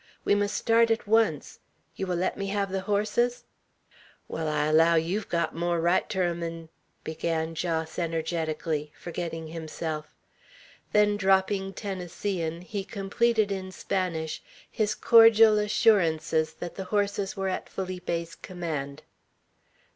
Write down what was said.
We must start at once. You will let me have the horses?" "Wall, I allow yer've got more right ter 'em 'n " began Jos, energetically, forgetting himself; then, dropping Tennesseean, he completed in Spanish his cordial assurances that the horses were at Felipe's command.